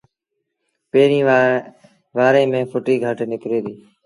پيريݩ وآري ميݩ ڦُٽيٚ گھٽ نڪري ديٚ